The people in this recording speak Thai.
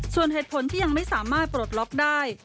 ส่วนเหตุผลที่ยังไม่สามารถปลดล็อกได้